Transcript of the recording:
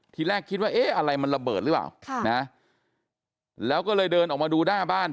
ทีแรกคิดว่าเอ๊ะอะไรมันระเบิดหรือเปล่าแล้วก็เลยเดินออกมาดูหน้าบ้าน